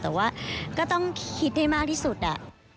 แต่ว่าก็ต้องคิดให้มากที่สุดอะ